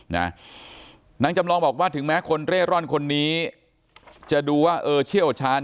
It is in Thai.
นางจำลองบอกว่าถึงแม้คนเร่ร่อนคนนี้จะดูว่าเออเชี่ยวชาญ